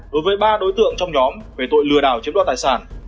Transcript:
đối với ba đối tượng trong nhóm về tội lừa đảo chiếm đoạt tài sản